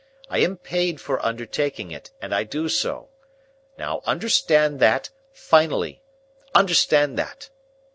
I am paid for undertaking it, and I do so. Now, understand that, finally. Understand that!"